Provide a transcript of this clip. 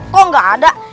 kok gak ada